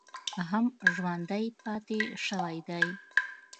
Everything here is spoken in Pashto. هم ژوندی پاتې شوی دی